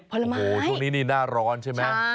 โอ้โหช่วงนี้นี่หน้าร้อนใช่มั้ย